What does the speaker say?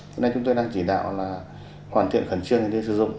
hôm nay chúng tôi đang chỉ đạo hoàn thiện khẩn trương để sử dụng